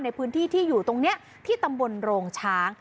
ในพื้นที่ที่อยู่ตรงนี้ที่ตำบลโรงช้าง